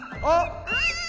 あっ！